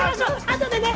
あとでね！